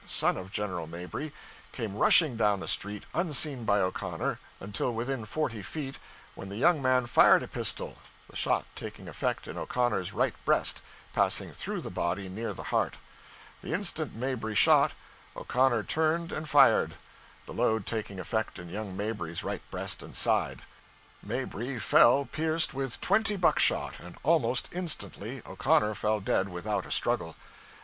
son of General Mabry, came rushing down the street, unseen by O'Connor until within forty feet, when the young man fired a pistol, the shot taking effect in O'Connor's right breast, passing through the body near the heart. The instant Mabry shot, O'Connor turned and fired, the load taking effect in young Mabry's right breast and side. Mabry fell pierced with twenty buckshot, and almost instantly O'Connor fell dead without a struggle.